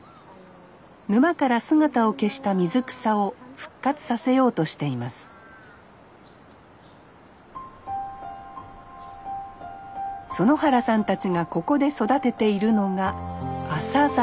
沼から姿を消した水草を復活させようとしています園原さんたちがここで育てているのがアサザ。